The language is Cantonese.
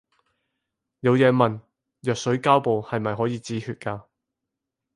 有嘢問，藥水膠布係咪可以止血㗎